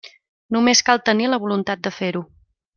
Només cal tenir la voluntat de fer-ho.